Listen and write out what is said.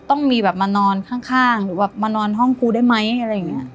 ต้องมีแบบมานอนข้างหรือแบบมานอนห้องกูได้ไหมอะไรอย่างนี้